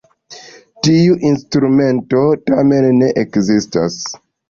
Tiu instrumento tamen ne ekzistas.